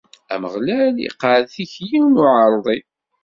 Ameɣlal iqeɛɛed tikli n uɛerḍi.